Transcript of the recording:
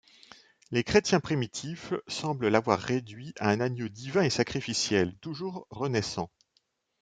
Les chrétiens primitif semblent l'avoir réduit à un agneau divin et sacrificiel, toujours renaissant.